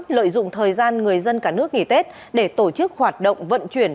lợi dụng thời gian người dân cả nước nghỉ tết để tổ chức hoạt động vận chuyển